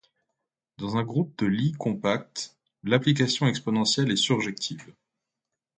Dans un groupe de Lie compact, l'application exponentielle est surjective.